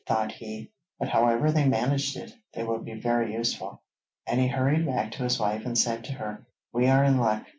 thought he. 'But however they managed it, they will be very useful,' and he hurried back to his wife and said to her: 'We are in luck!